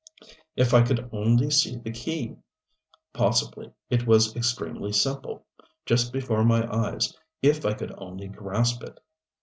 If I could only see the key! Possibly it was extremely simple, just before my eyes if I could only grasp it.